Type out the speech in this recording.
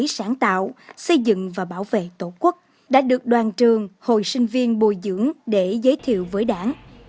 sáng tạo xây dựng và bảo vệ tổ quốc đã được đoàn trường hồi sinh viên bồi dưỡng để giới thiệu với đảng